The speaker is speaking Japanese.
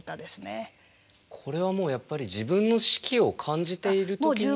これはもうやっぱり自分の死期を感じている時に。